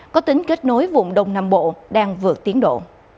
có tính kết nối vùng đông nam bộ đang vượt tiến độ